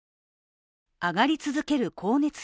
上がり続ける光熱費。